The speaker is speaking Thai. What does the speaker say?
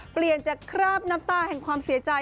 เปลี่ยนจากคราบน้ำตาแห่งความเสียใจ